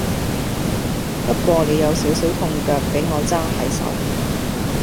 不過你有少少痛腳比我揸係手